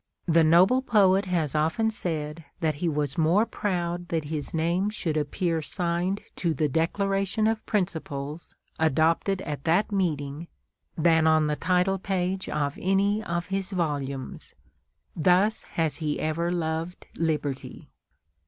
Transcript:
The noble poet has often said that he was more proud that his name should appear signed to the Declaration of Principles adopted at that meeting than on the title page of any of his volumes. Thus has he ever loved liberty.